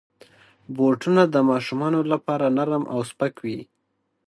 بوټونه د ماشومانو لپاره نرم او سپک وي.